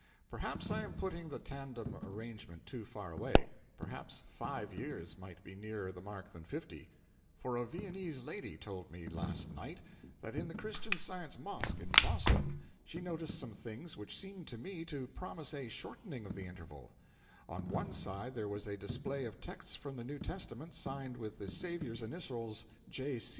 Perhaps I am putting the tandem arrangement too far away; perhaps five years might be nearer the mark than fifty; for a Viennese lady told me last night that in the Christian Science Mosque in Boston she noticed some things which seem to me to promise a shortening of the interval; on one side there was a display of texts from the New Testament, signed with the Saviour's initials, 'J.